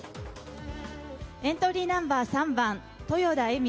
エントリーナンバー３番、豊田恵美。